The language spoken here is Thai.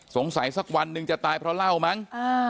สักวันหนึ่งจะตายเพราะเหล้ามั้ง